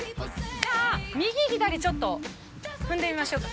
じゃあ右左ちょっと踏んでみましょうか。